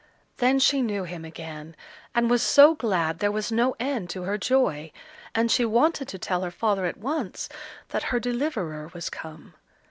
Then she knew him again, and was so glad there was no end to her joy, and she wanted to tell her father at once that her deliverer was come.